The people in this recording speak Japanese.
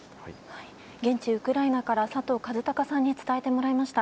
現地ウクライナから佐藤和孝さんに伝えてもらいました。